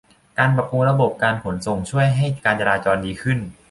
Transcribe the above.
การปรับปรุงระบบการขนส่งช่วยให้การจราจรดีขึ้น